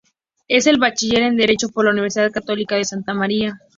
Es bachiller en Derecho por la Universidad Católica de Santa María.